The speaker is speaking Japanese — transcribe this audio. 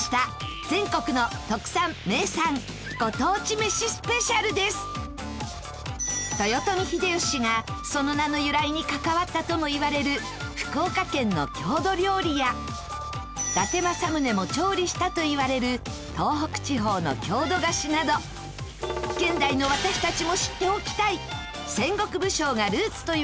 今夜の『Ｑさま！！』は豊臣秀吉がその名の由来に関わったともいわれる福岡県の郷土料理や伊達政宗も調理したといわれる東北地方の郷土菓子など現代の私たちも知っておきたい戦国武将がルーツといわれるご当地